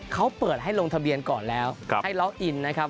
เขาเปิดให้ลงทะเบียนก่อนแล้วให้ล็อกอินนะครับ